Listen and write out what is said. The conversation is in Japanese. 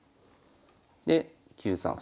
で９三歩。